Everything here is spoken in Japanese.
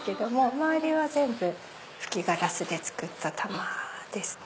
周りは全部吹きガラスで作った玉ですね。